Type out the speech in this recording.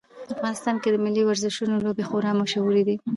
افغانستان کې د ملي ورزشونو لوبې خورا مشهورې دي